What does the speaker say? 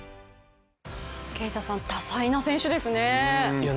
啓太さん、多彩な選手ですね